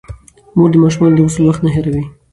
مور د ماشومانو د غسل وخت نه هېروي.